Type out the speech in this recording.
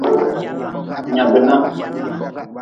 Nyabi nah.